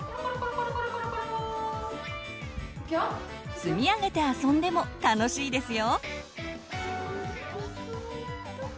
積み上げて遊んでも楽しいですよ。